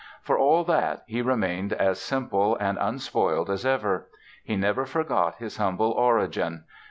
For all that, he remained as simple and unspoiled as ever. He never forgot his humble origin.